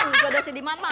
gak ada si diman mah